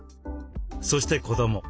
そして子ども。